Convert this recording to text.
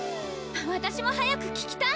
私も早く聴きたい！